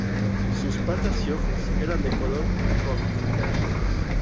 Sus patas y ojos eran de color rojo.